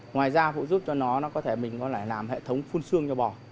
ngoài ra phụ giúp cho nó nó có thể mình có thể làm hệ thống phun sương cho bò